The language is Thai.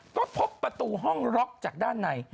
ก็พบประตูห้องล็อกจากด้านใน